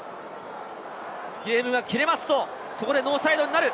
ゲームが切れますとノーサイドになる。